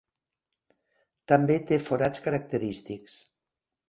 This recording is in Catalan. També té forats característics.